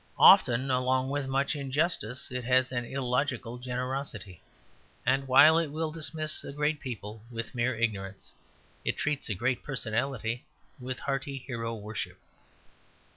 Often along with much injustice it has an illogical generosity; and while it will dismiss a great people with mere ignorance, it treats a great personality with hearty hero worship.